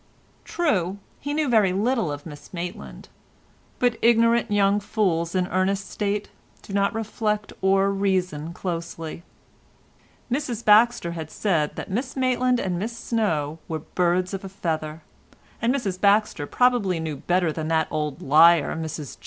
True, he knew very little of Miss Maitland, but ignorant young fools in Ernest's state do not reflect or reason closely. Mrs Baxter had said that Miss Maitland and Miss Snow were birds of a feather, and Mrs Baxter probably knew better than that old liar, Mrs Jupp.